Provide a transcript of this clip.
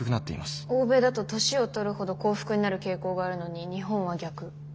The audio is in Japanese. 欧米だと年をとるほど幸福になる傾向があるのに日本は逆。